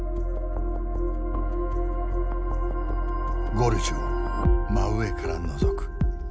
ゴルジュを真上からのぞく。